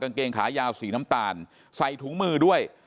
เกงขายาวสีน้ำตาลใส่ถุงมือด้วย